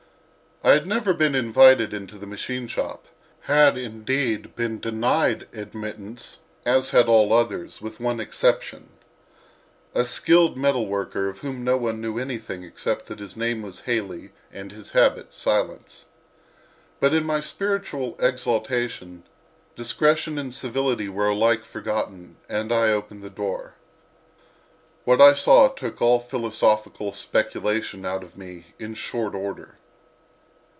I had never been invited into the machine shop—had, indeed, been denied admittance, as had all others, with one exception, a skilled metal worker, of whom no one knew anything except that his name was Haley and his habit silence. But in my spiritual exaltation, discretion and civility were alike forgotten and I opened the door. What I saw took all philosophical speculation out of me in short order.